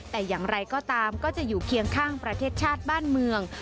แต่อย่างไรก็ตามก็จะอยู่เคียงข้างประเทศชาติบ้านเมือง